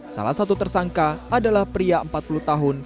salah satu tersangka adalah pria empat puluh tahun